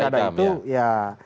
pertama itu ya